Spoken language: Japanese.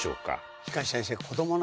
しかし先生。